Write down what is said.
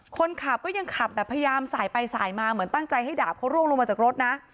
คนขับก็ยังขับแบบพยายามสายไปสายมาเหมือนตั้งใจให้ดาบเขาร่วงลงมาจากรถนะ